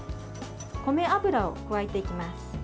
米油を加えていきます。